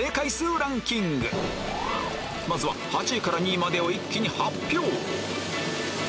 まずは８位から２位までを一気に発表！